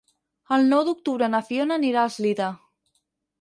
El nou d'octubre na Fiona anirà a Eslida.